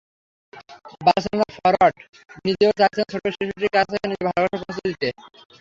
Barcelona forward নিজেও চাইছিলেন, ছোট্ট শিশুটির কাছে নিজের ভালোবাসা পৌঁছে দিতে।